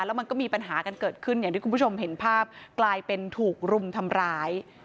แล้วมันก็มีปัญหากันเกิดขึ้นอย่างที่คุณผู้ชมเห็นภาพกลายเป็นถูกรุมทำร้าย